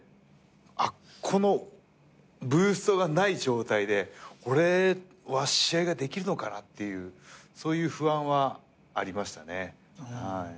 このブーストがない状態で俺は試合ができるのかなっていうそういう不安はありましたね。